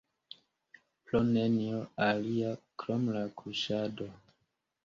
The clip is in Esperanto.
Pro nenio alia, krom kuŝado.